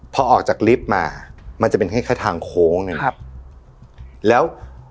พอออกจากลิฟต์มามันจะเป็นแค่ทางโค้งหนึ่งครับแล้ว